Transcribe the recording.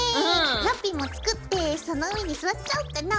ラッピィも作ってその上に座っちゃおうかな。